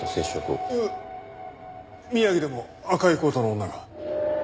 宮城でも赤いコートの女が。